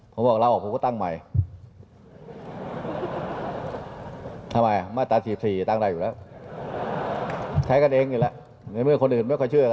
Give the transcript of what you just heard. ผมบอกลาออกผมก็ตั้งใหม่ทำไมอะตั้ง๑๔อีกตั้งได้อยู่แล้วใช้กันเองอีกแล้วยังไม่เหมือนคนอื่นไม่เคยเชื่อกันออก